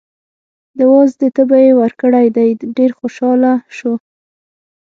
د وازدې تبی یې ورکړی دی، ډېر خوشحاله شو.